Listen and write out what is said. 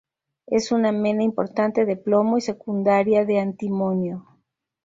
Es una mena importante de plomo y secundaria de antimonio.